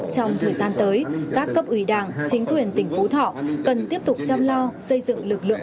trong thời gian tới các cấp ủy đảng chính quyền tỉnh phú thọ cần tiếp tục chăm lo xây dựng lực lượng